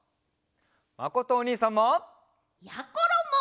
まことおにいさんも！やころも！